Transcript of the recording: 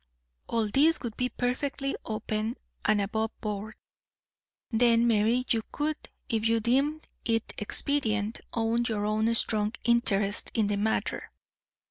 All this would be perfectly open and above board. Then, Mary, you could, if you deemed it expedient, own your own strong interest in the matter.